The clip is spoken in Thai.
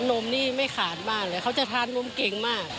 นมนี่ไม่ขาดมากเลยเขาจะทานนมเก่งมาก